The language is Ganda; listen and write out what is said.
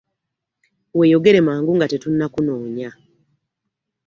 Weeyogere mangu nga tetunnakunoonya.